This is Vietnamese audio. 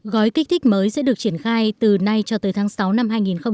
gói kích thích mới sẽ được triển khai từ nay cho tới tháng sáu năm hai nghìn hai mươi